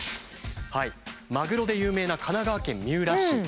マグロで有名な神奈川県三浦市。